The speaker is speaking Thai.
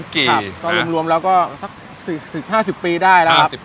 ก็รวมแล้วก็สัก๕๐ปีได้แล้วครับ